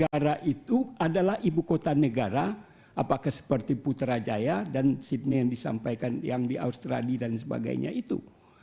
karena itu adalah ibu kota negara apakah seperti putrajaya dan sydney yang disampaikan yang di austradi dan sebagainya itu